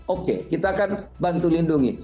oke kita akan bantu lindungi